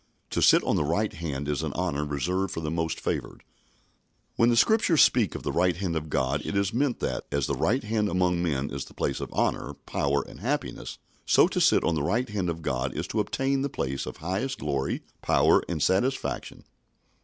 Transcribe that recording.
To sit on the right hand is an honour reserved for the most favoured. When the Scriptures speak of the right hand of God, it is meant that, as the right hand among men is the place of honour, power, and happiness, so to sit on the right hand of God is to obtain the place of highest glory, power, and satisfaction.